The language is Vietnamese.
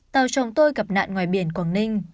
tàu chồng tôi gặp nạn ngoài biển quảng ninh